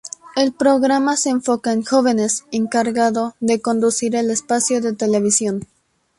El programa se enfoca en jóvenes encargado de conducir el espacio de televisión.